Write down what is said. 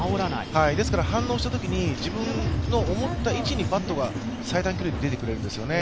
ですから反応したときに自分の思った位置にバットが最短距離で出ていたんですね。